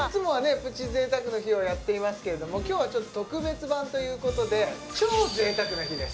プチ贅沢の日をやっていますけれども今日はちょっと特別版ということで超贅沢な日です・